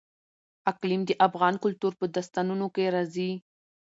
اقلیم د افغان کلتور په داستانونو کې راځي.